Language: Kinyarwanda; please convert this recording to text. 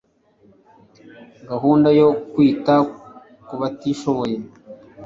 gahunda yo kwita ku batishoboye